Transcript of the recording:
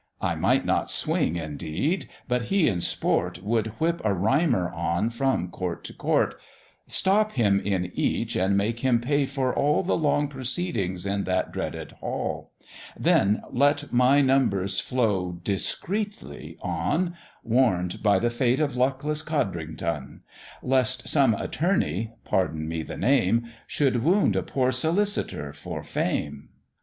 I might not swing, indeed, but he in sport Would whip a rhymer on from court to court; Stop him in each, and make him pay for all The long proceedings in that dreaded Hall: Then let my numbers flow discreetly on, Warn'd by the fate of luckless Coddrington, Lest some attorney (pardon me the name) Should wound a poor solicitor for fame.